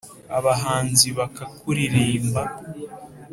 abahanzi bakakuririmba